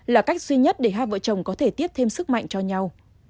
là cách duy nhất để hai vợ chồng có thể tiếp thêm sức mạnh cho nhau